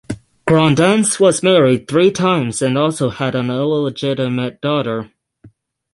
Graudenz was married three times and also had an illegitimate daughter.